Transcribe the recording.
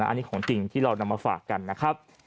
อันนี้ของจริงที่เรานำมาฝากกันนะครับ